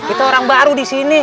itu orang baru di sini